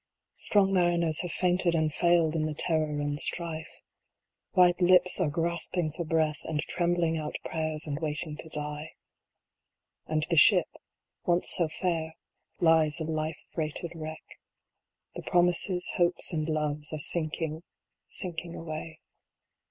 Strong mariners have fainted and failed in the terror and strife. White lips are grasping for breath, and trembling out prayers, and waiting to die. And the Ship, once so fair, lies a life freighted wreck. The Promises, Hopes, and Loves, are sinking, sinking away.